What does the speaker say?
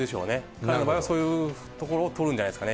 彼の場合はそういうところを取るんじゃないですかね。